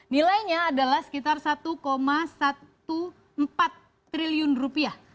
nilainya adalah sekitar satu empat belas triliun rupiah